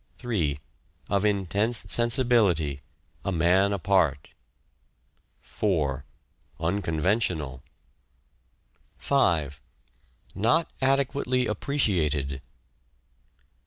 3. Of intense sensibility — a man apart. 4. Unconventional. 5. Not adequately appreciated.